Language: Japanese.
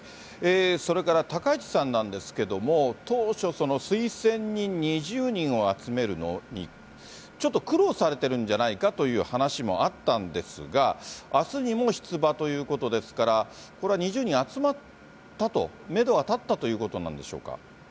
それから高市さんなんですけども、当初、推薦人２０人を集めるのに、ちょっと苦労されてるんじゃないかという話もあったんですが、あすにも出馬ということですから、これは２０人集まったと、メドは立ったということなんでしょうか。